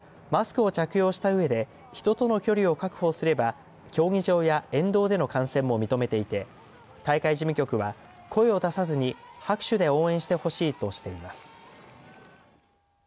一方、今大会ではマスクを着用したうえで人との距離を確保すれば競技場や沿道での観戦も認めていて大会事務局は、声を出さずに拍手で応援してほしいとしています。